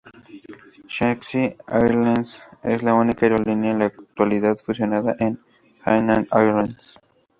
Shanxi Airlines es la única aerolínea en la actualidad, fusionada en Hainan Airlines.